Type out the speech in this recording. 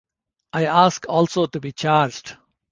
I ask also to be charged.